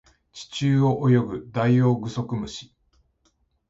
地中を泳ぐダイオウグソクムシ